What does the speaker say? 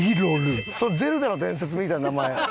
『ゼルダの伝説』みたいな名前。